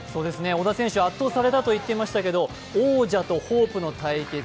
小田選手、圧倒されたと言っていましたけれども、王者とホープの対決